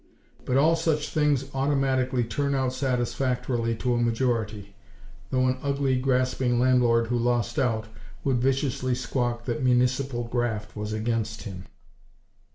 But all such things automatically turn out satisfactorily to a majority; though an ugly, grasping landlord who lost out, would viciously squawk that "municipal graft" was against him.